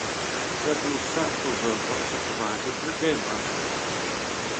Several sample robots are provided for the gamemaster.